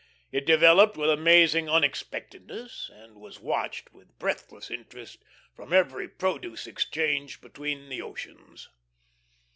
It developed with amazing unexpectedness and was watched with breathless interest from every produce exchange between the oceans.